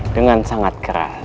dengan sangat berkembang